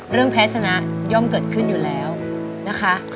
แพ้ชนะย่อมเกิดขึ้นอยู่แล้วนะคะ